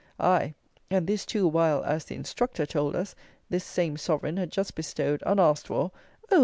Aye, and this, too, while (as the "instructor" told us) this same sovereign had just bestowed, unasked for (oh!